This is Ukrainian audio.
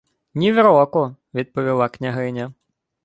— Нівроку, — відповіла княгиня.